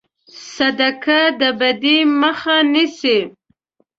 صدقه د بدي مخه نیسي.